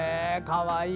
かわいい。